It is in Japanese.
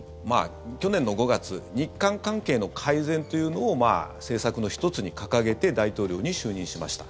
去年の５月日韓関係の改善というのを政策の１つに掲げて大統領に就任しました。